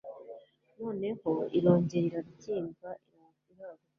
Noneho irongera irabyimba iraguka